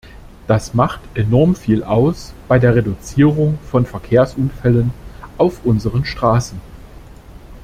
Das macht enorm viel aus bei der Reduzierung von Verkehrsunfällen auf unseren Straßen.